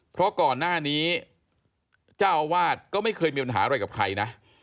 เพราะก่อนหน้านี้เจ้าอาวาสก็ไม่เคยมีปัญหาอะไรกับใครนะ